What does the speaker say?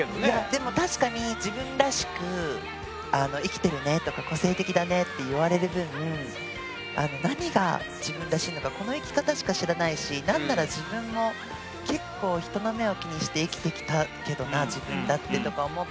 でも確かに「自分らしく生きてるね」とか「個性的だね」って言われる分何が自分らしいのかこの生き方しか知らないし何なら自分も結構けどな自分だってとか思って。